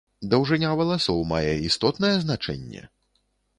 Даўжыня валасоў мае істотнае значэнне?